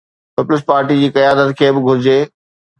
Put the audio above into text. Peoples Party جي قيادت کي به گهرجي.